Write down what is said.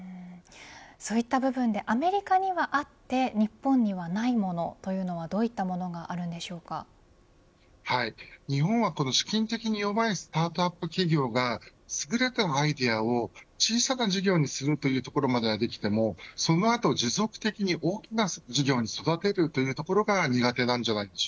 そうした部分でアメリカにはあって日本にはないものというのはどういったものが日本は資金的に弱いスタートアップ企業が優れたアイデアを小さな事業にするというところまではできてもその後、持続的に大きな事業に育てるところが苦手です。